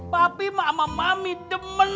tapi mama mami demen